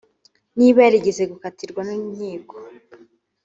niba yarigeze gukatirwa n’inkiko